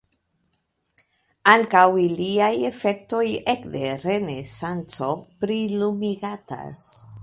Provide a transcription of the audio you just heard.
Ankaŭ iliaj efektoj ekde Renesanco prilumigatas.